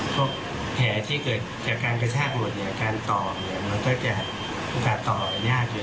เพราะแขนที่เกิดจากการกระชากหมดเนี่ยการต่อเนี่ยมันก็จะต่อยากอยู่